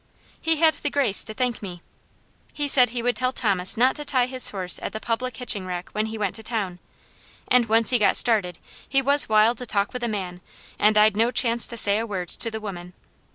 He had the grace to thank me. He said he would tell Thomas not to tie his horse at the public hitching rack when he went to town, and once he got started, he was wild to talk with a man, and I'd no chance to say a word to the women.